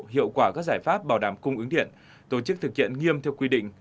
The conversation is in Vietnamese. hiệu quả các giải pháp bảo đảm cung ứng điện tổ chức thực hiện nghiêm theo quy định